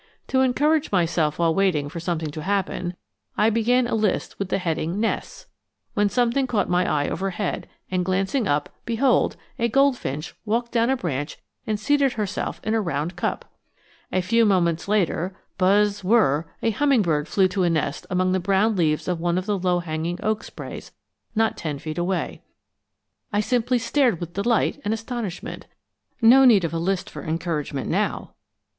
To encourage myself while waiting for something to happen, I began a list with the heading NESTS, when something caught my eye overhead, and glancing up, behold, a goldfinch walked down a branch and seated herself in a round cup! A few moments later buzz whirr a hummingbird flew to a nest among the brown leaves of one of the low hanging oak sprays not ten feet away! I simply stared with delight and astonishment. No need of a list for encouragement now.